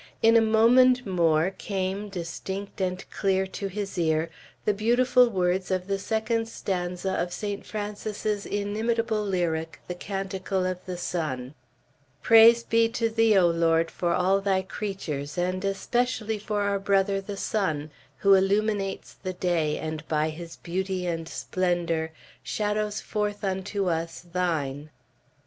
In a moment more came, distinct and clear to his ear, the beautiful words of the second stanza of Saint Francis's inimitable lyric, "The Canticle of the Sun:" "Praise be to thee, O Lord, for all thy creatures, and especially for our brother the Sun, who illuminates the day, and by his beauty and splendor shadows forth unto us thine."